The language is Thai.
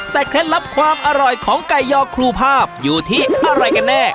แต่เคล็ดลับความอร่อยของไก่ยอครูภาพอยู่ที่อะไรกันแน่